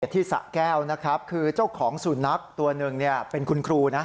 ที่สะแก้วนะครับคือเจ้าของสุนัขตัวหนึ่งเป็นคุณครูนะ